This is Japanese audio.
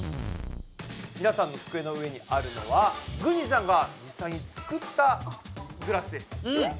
みなさんの机の上にあるのは軍司さんが実際に作ったグラスです。